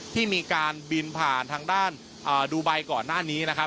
ที่มีการบินผ่านทางด้านดูไบก่อนหน้านี้นะครับ